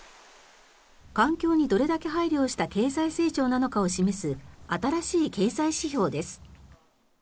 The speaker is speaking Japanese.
環境にどれだけ配慮した経済成長なのかを示す新しい経済指標です。